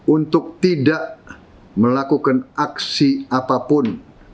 untuk tidak melakukan aksi apapun